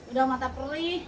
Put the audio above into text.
udah mata perih